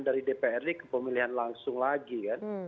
dari dprd ke pemilihan langsung lagi kan